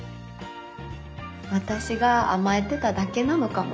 私が甘えてただけなのかも。